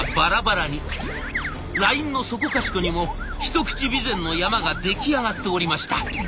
ラインのそこかしこにもひとくち美膳の山が出来上がっておりました。